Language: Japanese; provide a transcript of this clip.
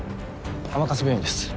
甘春病院です。